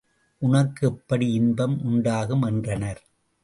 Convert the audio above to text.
உனக்கு எப்படி இன்பம் உண்டாகும்? என்றனர்.